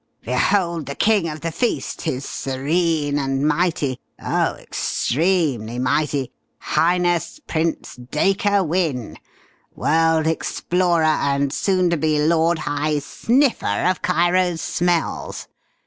Behold the king of the feast, his serene and mighty oh extremely mighty! highness Prince Dacre Wynne, world explorer and soon to be lord high sniffer of Cairo's smells!